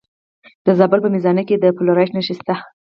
د زابل په میزانه کې د فلورایټ نښې شته.